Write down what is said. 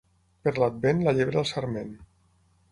Per l'Advent la llebre al sarment.